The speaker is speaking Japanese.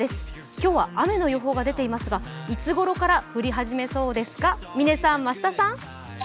今日は雨の予報が出ていますがいつごろから降り始めそうですか？